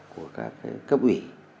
của các cái cấp ủy